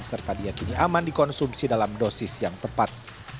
serta diakini aman dikonsumsi dalam dosis yang tepat